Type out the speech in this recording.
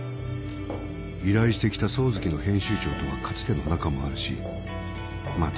依頼してきた「早月」の編集長とはかつての仲もあるしまっ